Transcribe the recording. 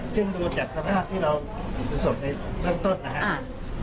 ซึ่งดูจากสภาพที่เราเห็นศพในเบื้องต้นนะครับ